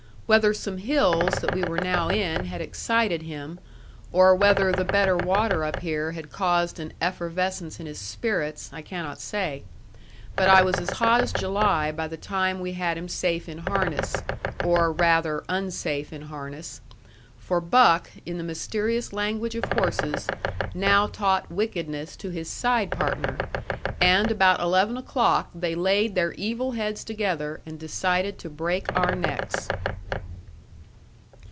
Whether some hills that we were now in had excited him, or whether the better water up here had caused an effervescence in his spirits, I cannot say. But I was as hot as July by the time we had him safe in harness, or, rather, unsafe in harness. For Buck, in the mysterious language of horses, now taught wickedness to his side partner, and about eleven o'clock they laid their evil heads together and decided to break our necks.